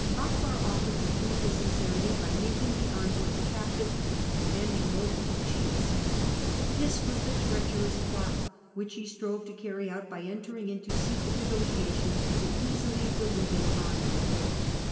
Akbar offered to prove his sincerity by making the envoy a captive and handing him over to the chiefs. This was the treacherous plot which he strove to carry out by entering into the secret negotiations with the easily deluded envoy.